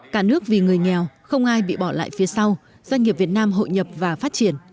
cả nước vì người nghèo không ai bị bỏ lại phía sau doanh nghiệp việt nam hội nhập và phát triển